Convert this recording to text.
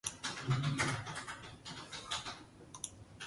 Ofrecía noticias variadas además de publicar poemas e historietas.